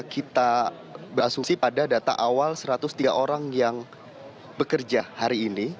kita berasumsi pada data awal satu ratus tiga orang yang bekerja hari ini